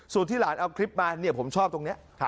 ส่วนที่หลานเอาคลิปมาผมชอบตรงนี้